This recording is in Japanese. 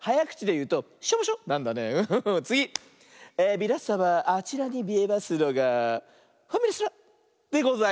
みなさまあちらにみえますのが「ファミレスラ」でございます。